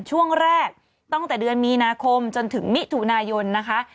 ช่วงแรกตั้งแต่เดือนมีนาคมจนถึงมิถุนายนนะคะ